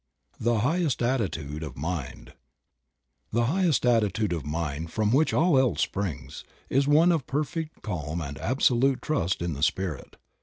THE HIGHEST ATTITUDE OF MIND. 'THE highest attitude of mind, from which all else springs, is one of perfect calm and absolute trust in the Spirit.